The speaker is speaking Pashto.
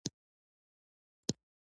فرعي طبقه د جغل لرونکو موادو څخه جوړیږي